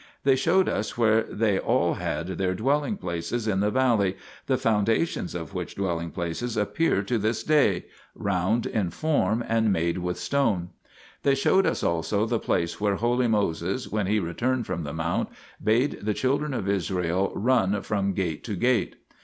They showed us where they all had their dwelling places in the valley, the foundations of which dwelling places appear to this day, round in form and made with stone. They showed us also the place where holy Moses, when he returned from the mount, bade the children of Israel run from gate to gate?